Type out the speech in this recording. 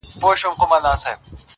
o د بل جنگ لوى اختر دئ.